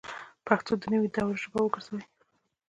پښتو د نوي دور ژبه وګرځوئ